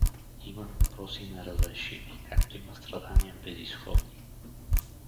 Има въпроси неразрешими, както има страдания безизходни.